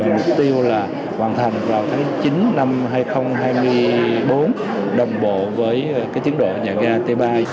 mục tiêu là hoàn thành vào tháng chín năm hai nghìn hai mươi bốn đồng bộ với tiến độ nhà ga t ba